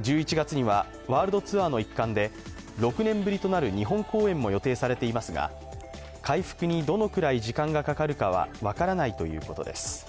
１１月にはワールドツアーの一環で６年ぶりとなる日本公演も予定されていますが、回復にどのくらい時間がかかるかは分からないということです。